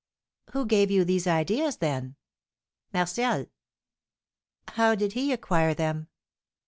"Who gave you these ideas, then?" "Martial." "How did he acquire them?"